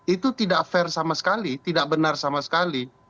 itu tidak fair sama sekali tidak benar sama sekali